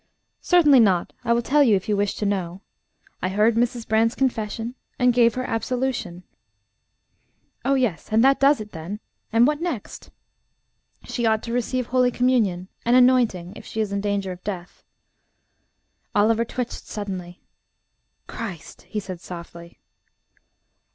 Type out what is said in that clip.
"Certainly not. I will tell you if you wish to know. I heard Mrs. Brand's confession, and gave her absolution." "Oh! yes; and that does it, then? And what next?" "She ought to receive Holy Communion, and anointing, if she is in danger of death." Oliver twitched suddenly. "Christ!" he said softly.